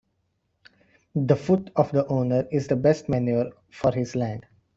The foot of the owner is the best manure for his land.